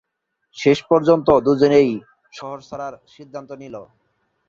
শেষ পর্যন্ত দুজনেই শহর ছাড়ার সিদ্ধান্ত নিল।